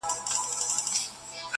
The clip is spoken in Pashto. o تر کورني سړي، گښته خر ښه دئ!